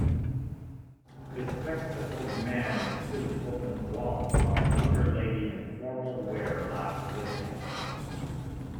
Bespectacled man in suit opens wallet while a younger lady in formal wear laughs with him